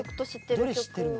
どれ知ってるの？